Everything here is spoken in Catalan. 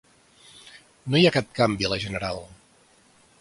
No hi ha cap canvi a la general.